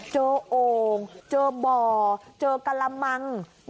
เจอโอ่งเจอบ่อเจอกรมัง